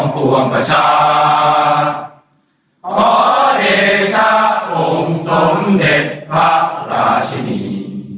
พระเจ้าองค์สมเด็จพระราชินี